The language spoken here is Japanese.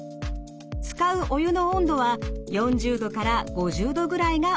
使うお湯の温度は４０度から５０度ぐらいがおすすめ。